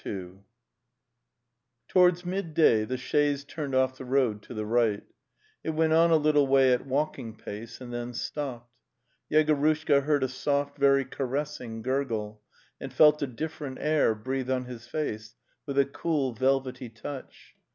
II Towards midday the chaise turned off the road to the right; it went on a little way at walking pace and then stopped. Yegorushka heard a soft, very caressing gurgle, and felt a different air breathe on his face with a cool velvety touch.